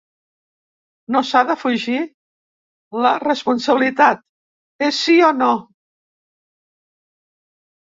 No s’ha de fugir la responsabilitat: és sí o no.